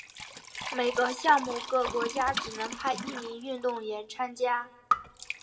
每个项目各国家只能派一名运动员参赛。